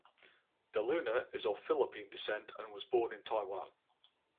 De Luna is of Philippine descent and was born in Taiwan.